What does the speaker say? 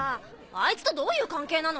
あいつとどういう関係なの？